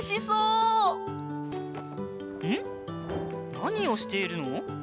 なにをしているの？